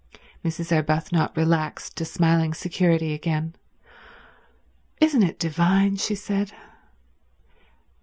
Mrs. Arbuthnot relaxed to smiling security again. "Isn't it divine?" she said.